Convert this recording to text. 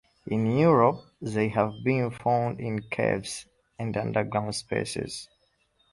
In Europe, they have been found in caves and underground spaces.